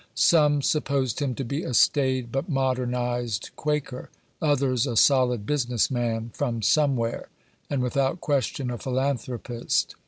Some supposed him to be a staid but modernized Quaker ; others, a solid business man, from "somewhere," and without question a philanthropist.